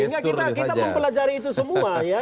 sehingga kita mempelajari itu semua ya